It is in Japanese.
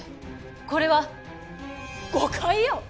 これは？誤解よ！